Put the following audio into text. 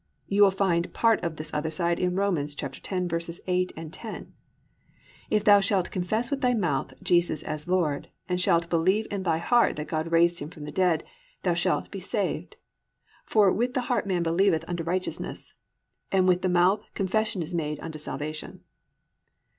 You will find part of this other side in Rom. 10:8, 10, +"If thou shalt confess with thy mouth Jesus as Lord, and shalt believe in thy heart that God raised him from the dead, thou shalt be saved; for with the heart man believeth unto righteousness; and with the mouth confession is made unto salvation."